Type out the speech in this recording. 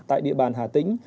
tại địa bàn hà tĩnh